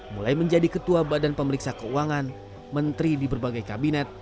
mulai menjadi ketua badan pemeriksa keuangan menteri di berbagai kabinet